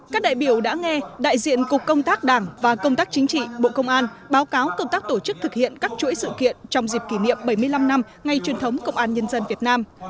các đại biểu đã nghe đại diện cục công tác đảng và công tác chính trị bộ công an báo cáo công tác tổ chức thực hiện các chuỗi sự kiện trong dịp kỷ niệm bảy mươi năm năm ngày truyền thống công an nhân dân việt nam